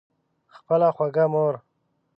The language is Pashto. خپله خوږه مور